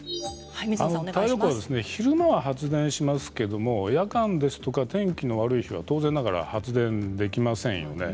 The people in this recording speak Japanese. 太陽光は昼間は発電しますけれど夜間ですとか天気の悪い日は当然ながら発電できませんよね。